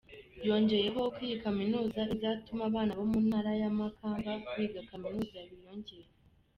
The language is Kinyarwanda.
Yongeyeho ko iyi kaminuza izatuma abana bo mu ntara ya makamba biga kaminuza biyongera.